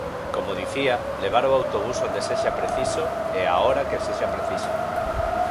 Como dicía, levar o autobús onde sexa preciso e á hora que sexa preciso.